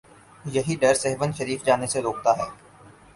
یہی ڈر سیہون شریف جانے سے روکتا ہے۔